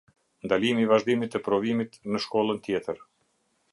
Ndalimi i vazhdimit të provimit në shkollën tjetër.